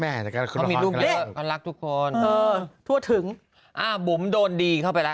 แม่จะก็คือละครควรรักทุกคนเออทั่วถึงอ่าบุ๋มโดนดีเข้าไปแล้ว